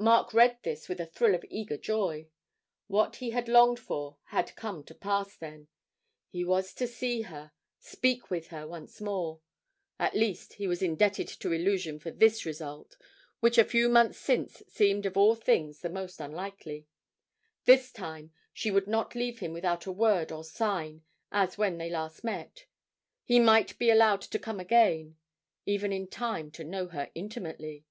Mark read this with a thrill of eager joy. What he had longed for had come to pass, then; he was to see her, speak with her, once more. At least he was indebted to 'Illusion' for this result, which a few months since seemed of all things the most unlikely. This time, perhaps, she would not leave him without a word or sign, as when last they met; he might be allowed to come again; even in time to know her intimately.